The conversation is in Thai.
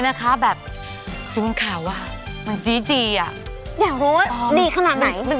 อยากรู้ว่านี่ดีขนาดไหน